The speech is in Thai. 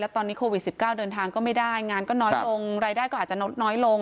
ตอนนี้โควิด๑๙เดินทางก็ไม่ได้งานก็น้อยลงรายได้ก็อาจจะลดน้อยลง